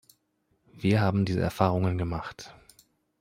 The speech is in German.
Wir haben diese Erfahrungen gemacht.